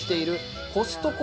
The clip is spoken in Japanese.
コストコ？